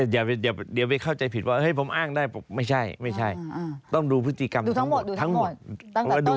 อย่าไปเข้าใจผิดว่าผมอ้างได้ไม่ใช่ต้องดูพฤติกรรมทั้งหมดทั้งหมด